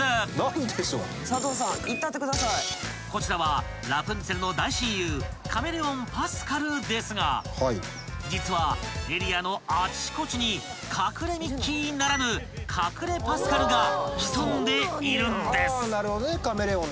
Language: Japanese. ［こちらはラプンツェルの大親友カメレオンパスカルですが実はエリアのあちこちに隠れミッキーならぬ隠れパスカルが潜んでいるんです］